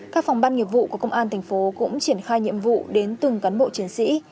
các phòng ban nghiệp vụ của công an thành phố cũng triển khai nhiệm vụ đến từng cán bộ chiến sĩ